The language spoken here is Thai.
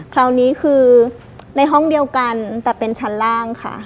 คราวนี้คือในห้องเดียวกันแต่เป็นชั้นล่างค่ะ